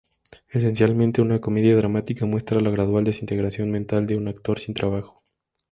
Esencialmente una comedia dramática, muestra la gradual desintegración mental de un actor sin trabajo.